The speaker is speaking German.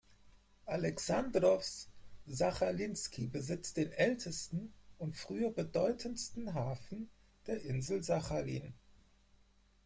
Alexandrowsk-Sachalinski besitzt den ältesten und früher bedeutendsten Hafen der Insel Sachalin.